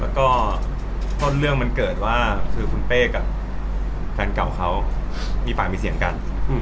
แล้วก็ต้นเรื่องมันเกิดว่าคือคุณเป้กับแฟนเก่าเขามีปากมีเสียงกัน